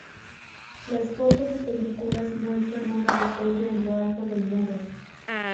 Las fotos y películas muestran una botella en lo alto del muro.